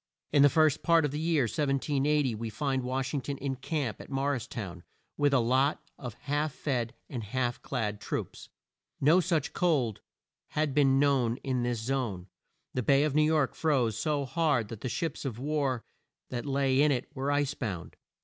In the first part of the year 1780 we find Wash ing ton in camp at Mor ris town, with a lot of half fed and half clad troops. No such cold had been known in this zone. The Bay of New York froze so hard that the ships of war that lay in it were ice bound.